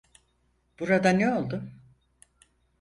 Burada ne oldu?